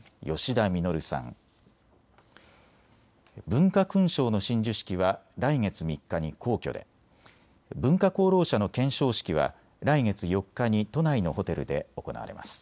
文化勲章の親授式は来月３日に皇居で、文化功労者の顕彰式は来月４日に都内のホテルで行われます。